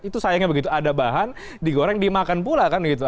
itu sayangnya begitu ada bahan digoreng dimakan pula kan gitu